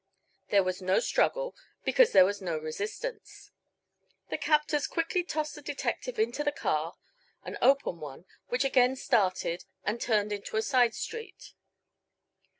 There was no struggle, because there was no resistance. The captors quickly tossed the detective into the car, an open one, which again started and turned into a side street.